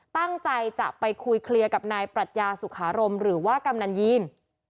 ตั้งใจจะไปคุยเคลียร์กับนายปรัชญาสุขารมหรือว่ากำนันยีน